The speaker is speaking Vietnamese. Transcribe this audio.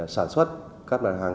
sản xuất các bàn hàng